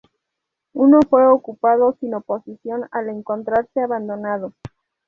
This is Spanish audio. Uno fue ocupado sin oposición al encontrarse abandonado.